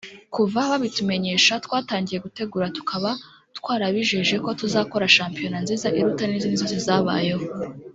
Kuva babitumenyesha twatangiye gutegura tukaba twarabijeje ko tuzakora shampiyona nziza iruta n’izindi zose zabayeho